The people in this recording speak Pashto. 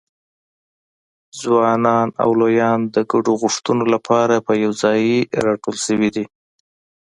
ځوانان او لویان د ګډو غوښتنو لپاره په یوځایي راټول شوي دي.